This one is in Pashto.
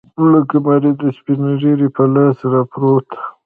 لکه مريد د سپينږيري په لاس راپرېوت.